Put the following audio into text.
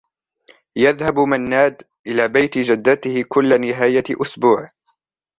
يذهب مناد إلى بيت جدته كل نهاية أسبوع.